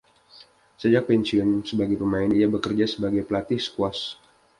Sejak pensiun sebagai pemain, ia bekerja sebagai pelatih squash.